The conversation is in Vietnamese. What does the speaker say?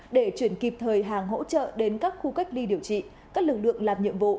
để chuyển kịp thời hàng hỗ trợ đến các khu cách ly điều trị các lực lượng làm nhiệm vụ